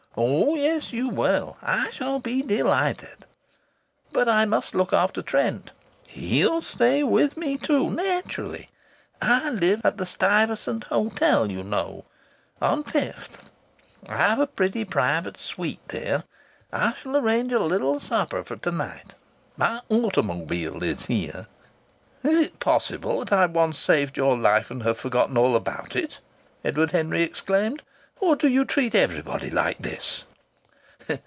"Oh, yes, you will. I shall be delighted." "But I must look after Trent." "He'll stay with me too naturally. I live at the Stuyvesant Hotel, you know, on Fifth. I've a pretty private suite there. I shall arrange a little supper for to night. My automobile is here." "Is it possible that I once saved your life and have forgotten all about it?" Edward Henry exclaimed. "Or do you treat everybody like this?"